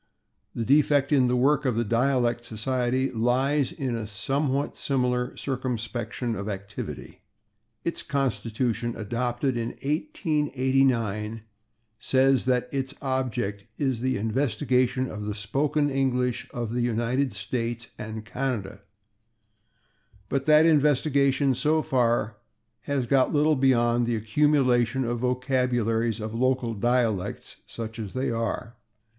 The defect in the work of the Dialect Society lies in a somewhat similar circumscription of activity. Its constitution, adopted in 1889, says that "its object is the investigation of the spoken English of the United States and Canada," but that investigation, so far, has got little beyond the accumulation of vocabularies of local dialects, such as they are.